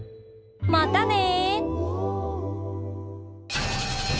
またね！